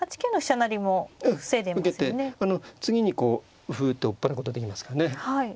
次にこう歩打って追っ払うことができますからね。